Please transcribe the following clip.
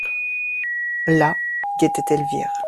Là, guettait Elvire.